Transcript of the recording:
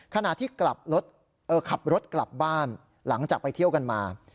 ขณะที่ขับรถกลับบ้านหลังจากไปเที่ยวกันมา